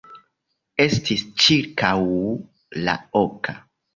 Estis ĉirkaŭ la oka.